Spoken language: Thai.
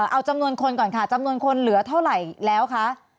เอาจำนวนคนก่อนค่ะจำนวนคนเหลือเท่าไหร่แล้วคะ